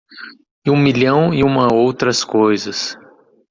E um milhão e uma outras coisas.